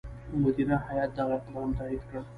مدیره هیات دغه اقدام تایید کړ.